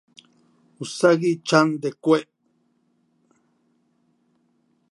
Usagi-chan de Cue!!